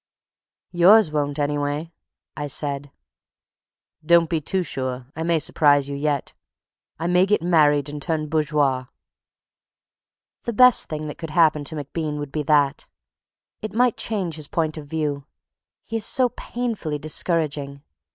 "Yours won't, anyway," I said. "Don't be too sure. I may surprise you yet. I may get married and turn bourgeois." The best thing that could happen to MacBean would be that. It might change his point of view. He is so painfully discouraging.